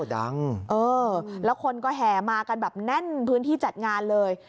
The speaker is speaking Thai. ดังเออแล้วคนก็แห่มากันแบบแน่นพื้นที่จัดงานเลย